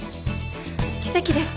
奇跡です！